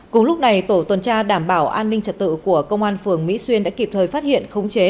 cùng lúc này tổ tuần tra đảm bảo an ninh trật tự của công an phường mỹ xuyên đã kịp thời phát hiện khống chế